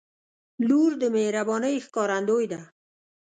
• لور د مهربانۍ ښکارندوی ده.